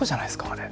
あれ。